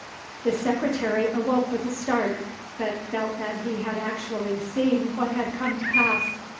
The secretary awoke with a start, but felt that he had actually seen what had come to pass.